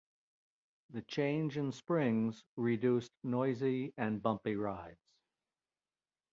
The change in springs reduced noisy and bumpy rides.